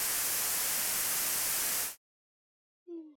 gwe na nderemo zilisikika kutoka kwa wabunge